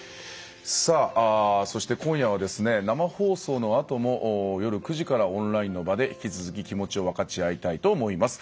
そして、今夜は生放送のあとも夜９時からオンラインの場で引き続き気持ちを分かち合いたいと思います。